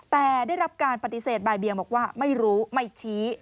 แต่ได้รับการปฏิเสธบ่ายเบียงบอกว่าไม่รู้ไม่ชี้